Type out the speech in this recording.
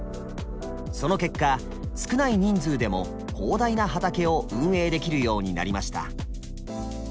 その結果少ない人数でも広大な畑を運営できるようになりました。